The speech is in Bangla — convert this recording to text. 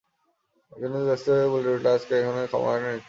বিনোদিনী ব্যস্ত হইয়া বলিয়া উঠিল, আজ এখনো তোমার খাওয়া হয় নি নাকি।